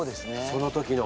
その時の。